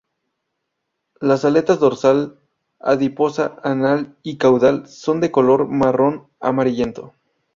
Las aletas dorsal, adiposa, anal y caudal son de color marrón amarillento.